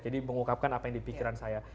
jadi mengungkapkan apa yang di pikiran saya